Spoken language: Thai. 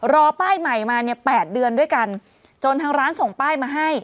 รอป้ายใหม่มาเนี่ย๘เดือนด้วยกันจนทางร้านส่งป้ายมาให้